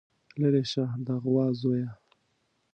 ليرې شه د غوا زويه.